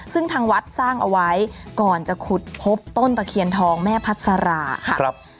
ซึ่งทางวัดสร้างเอาไว้ก่อนจะขุดพบต้นตะเคียนทองแม่พัสราค่ะ